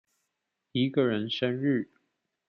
一個人生日